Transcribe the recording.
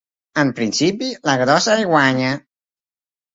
En principi la grossa hi guanya.